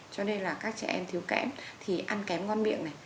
cho nên là các trẻ em thiếu kẽm thì ăn kém ngon miệng này